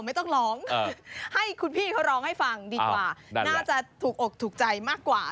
ไม่ต้องร้องให้คุณพี่เขาร้องให้ฟังดีกว่าน่าจะถูกอกถูกใจมากกว่า